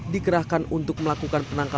dikerahkan untuk melakukan penyelidikan